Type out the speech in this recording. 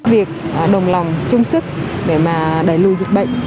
việc đồng lòng chung sức để mà đẩy lùi dịch bệnh